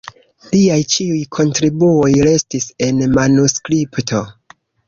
Liaj ĉiuj kontribuoj restis en manuskripto.